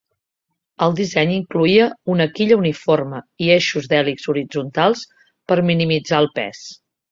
El disseny incloïa una quilla uniforme i eixos d'hèlix horitzontals per minimitzar el pes.